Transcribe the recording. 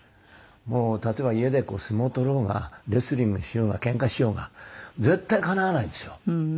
例えば家で相撲を取ろうがレスリングをしようがケンカしようが絶対敵わないんですよ。